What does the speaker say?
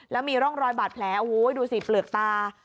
แล้วมีร่องรอยบาดแผลโอ้โหดูสิเปลือกตา